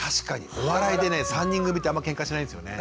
お笑いでね３人組ってあんまけんかしないんですよね。